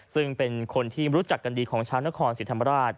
ซึ่งเป็นคนที่รู้จักกันดีของชาวนครศรีธรรมราช